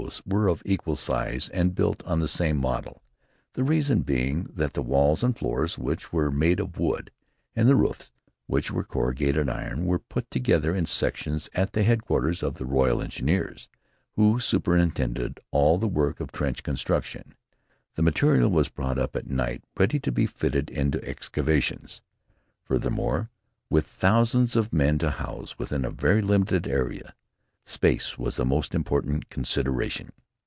s were of equal size and built on the same model, the reason being that the walls and floors, which were made of wood, and the roofs, which were of corrugated iron, were put together in sections at the headquarters of the Royal Engineers, who superintended all the work of trench construction. The material was brought up at night ready to be fitted into excavations. Furthermore, with thousands of men to house within a very limited area, space was a most important consideration.